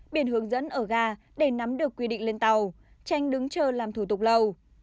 biển hướng dẫn ở gà để nắm được quy định lên tàu tránh đứng chờ làm thủ tục lâu